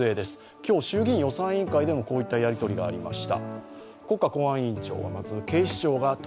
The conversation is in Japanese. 今日、衆議院予算委員会でもこういったやり取りがありました。